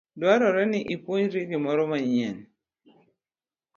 Dwarore ni ipuonjri gimoro manyien.